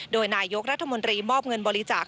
โดยนายกรัฐมนตรีมอบเงินบริจาค